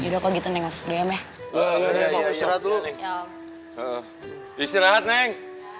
ya kok gitu nih masuk dulu ya meh istirahat neng